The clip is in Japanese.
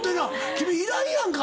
君いらんやんか！